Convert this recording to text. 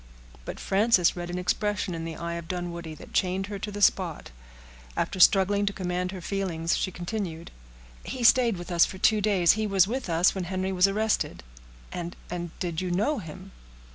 But Frances read an expression in the eye of Dunwoodie that chained her to the spot. After struggling to command her feelings, she continued,— "He stayed with us for two days—he was with us when Henry was arrested." "And—and—did you know him?"